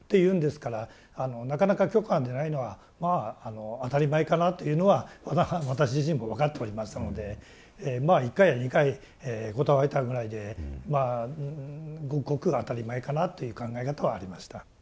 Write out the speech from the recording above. なかなか許可が出ないのはまあ当たり前かなというのは私自身も分かっておりましたので１回や２回断られたぐらいでまあごくごく当たり前かなという考え方はありました。